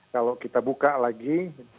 kalau kita buka lagi